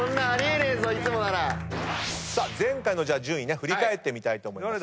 前回の順位振り返りたいと思います。